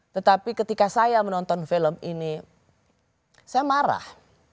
tetapi ketika saya menonton film ini saya marah